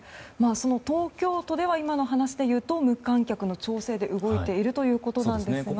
東京都では今の話でいうと無観客の調整で動いているということですが。